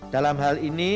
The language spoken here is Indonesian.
dalam hal ini